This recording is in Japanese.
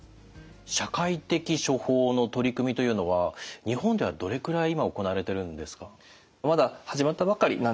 社会的処方の取り組みというのは日本ではどれくらい今行われてるんですか？